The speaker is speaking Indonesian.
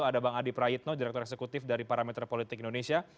ada bang adi prayitno direktur eksekutif dari parameter politik indonesia